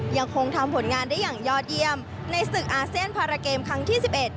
ยังคงทำผลงานได้อย่างยอดเยี่ยมในศึกอาเซียนพาราเกมครั้งที่๑๑